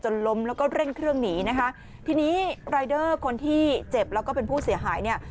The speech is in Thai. ล้มแล้วก็เร่งเครื่องหนีนะคะทีนี้รายเดอร์คนที่เจ็บแล้วก็เป็นผู้เสียหายเนี่ย